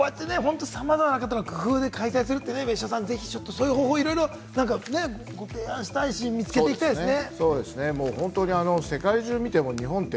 さまざまな方の工夫で開催するって別所さん、そういう方法をいろいろ提案したいし、見つけていきたいですね。